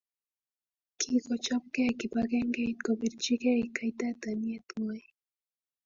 Kikochobkei kibangengeit kobirchikei katiaknatet ngwai